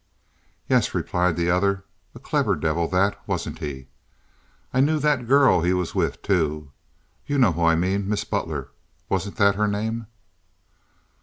"Yes," replied the other. "A clever devil that—wasn't he? I knew that girl he was in with, too—you know who I mean. Miss Butler—wasn't that her name?"